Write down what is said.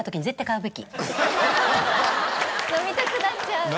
飲みたくなっちゃう。